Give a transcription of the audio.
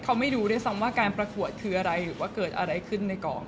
เขาไม่รู้ด้วยซ้ำว่าการประกวดคืออะไรหรือว่าเกิดอะไรขึ้นในกอง